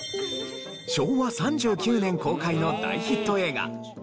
昭和３９年公開の大ヒット映画『月曜日のユカ』。